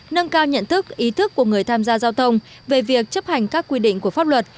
nâng cao nhận thức ý thức của người tham gia giao thông về việc chấp hành các quy định của pháp luật